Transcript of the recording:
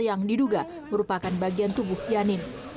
yang diduga merupakan bagian tubuh janin